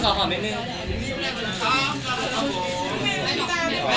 ขอหอมนิดนึง